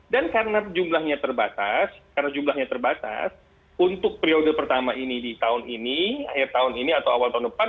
dan karena jumlahnya terbatas karena jumlahnya terbatas untuk periode pertama ini di tahun ini akhir tahun ini atau awal tahun depan